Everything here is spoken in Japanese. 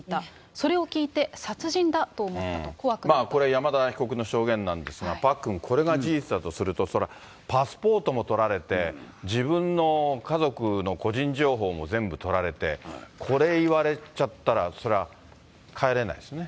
それを聞いて、これ、山田被告の証言なんですが、パックン、これが事実だとすると、パスポートもとられて、自分の家族の個人情報も全部取られて、これ言われちゃったら、そりゃ、帰れないですね。